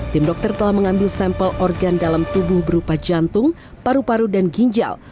tim dokter telah mengambil sampel organ dalam tubuh berupa jantung paru paru dan ginjal